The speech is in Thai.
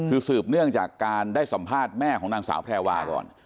คือสืบเนื่องจากการได้สัมภาษณ์แม่ของนางสาวแพรวาก่อน